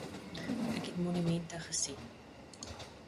Ek het monumente gesien